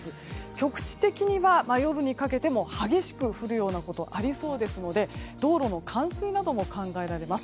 局地的には夜にかけても激しく降るようなことがありそうですので道路の冠水なども考えられます。